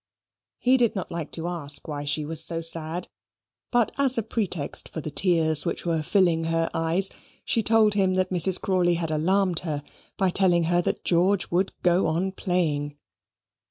He did not like to ask her why she was so sad; but as a pretext for the tears which were filling in her eyes, she told him that Mrs. Crawley had alarmed her by telling her that George would go on playing.